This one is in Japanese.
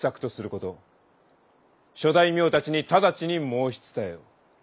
諸大名たちに直ちに申し伝えよ。